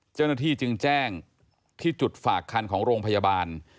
เจ้าหน้าที่จึงแจ้งที่จุดฝากคันของโรงพยาบาล